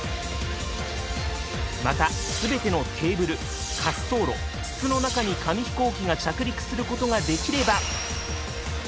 また全てのテーブル滑走路筒の中に紙飛行機が着陸することができれば。